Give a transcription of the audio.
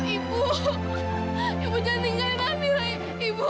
ibu ibu jangan tinggalin amir ibu